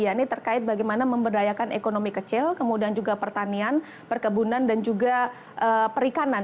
ya ini terkait bagaimana memberdayakan ekonomi kecil kemudian juga pertanian perkebunan dan juga perikanan